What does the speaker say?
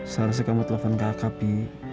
salah sih kamu telepon ke kakak pi